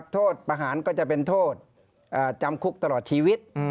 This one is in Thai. โทษประหารก็จะเป็นโทษจำคุกตลอดชีวิต